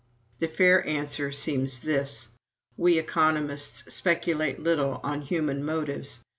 "The fair answer seems this: We economists speculate little on human motives.